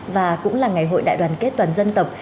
và cũng là ngày hội đại đoàn kết toàn dân tộc